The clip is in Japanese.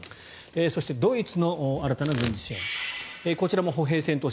そして、ドイツの新たな軍事支援こちらも歩兵戦闘車